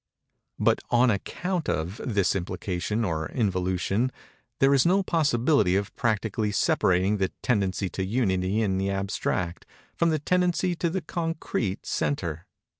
But on account of this implication or involution, there is no possibility of practically separating the tendency to Unity in the abstract, from the tendency to the concrete centre.